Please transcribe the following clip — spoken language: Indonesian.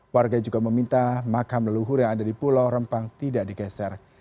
warga juga meminta makam leluhur yang ada di pulau rempang tidak digeser